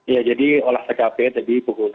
ya jadi olah tkp tadi pukul dua belas